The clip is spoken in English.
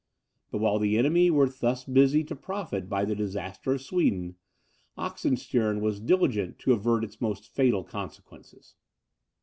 But while the enemy were thus busy to profit by the disaster of Sweden, Oxenstiern was diligent to avert its most fatal consequences.